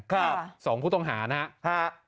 ครับครับสองผู้ต้องหานะฮะครับ